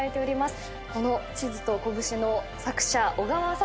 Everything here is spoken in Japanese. この『地図と拳』の作者小川哲さんです。